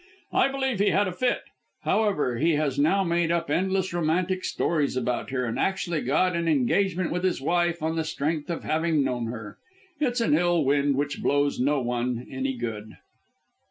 I believe he had a fit. However, he has now made up endless romantic stories about her, and actually got an engagement with his wife on the strength of having known her. It's an ill wind which blows no one any good."